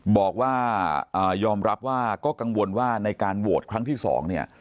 บอกว่ายอมรับว่าก็กังวลว่าในการโหวตครั้งที่๒เนี่ย